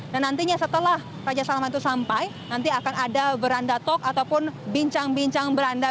dan nantinya setelah raja saman itu sampai nanti akan ada beranda talk ataupun bincang bincang beranda